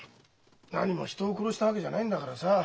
なにも人を殺したわけじゃないんだからさ。